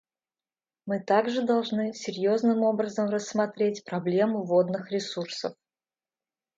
Мы также должны серьезным образом рассмотреть проблему водных ресурсов.